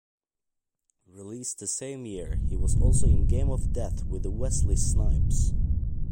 Released the same year, he was also in "Game of Death" with Wesley Snipes.